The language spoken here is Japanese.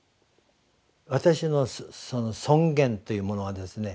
私の尊厳というものはですね